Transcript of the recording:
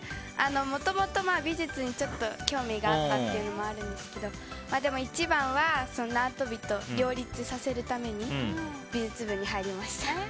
もともと美術に興味があったのもあるんですけどでも一番は縄跳びと両立させるために美術部に入りました。